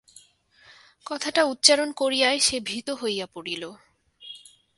কথাটা উচ্চারণ করিয়াই সে ভীত হইয়া পড়িল।